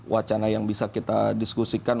wacana yang bisa kita diskusikan